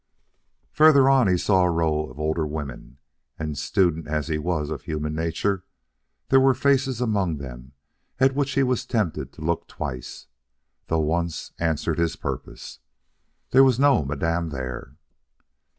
Further on he saw a row of older women, and student as he was of human nature, there were faces among them at which he was tempted to look twice, though once answered his purpose. There was no Madame there.